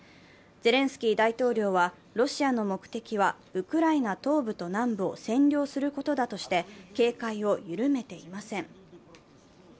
ゼレンスキー大統領は、ロシアの目的はウクライナ東部と南部を占領することだとして警戒を緩めていません。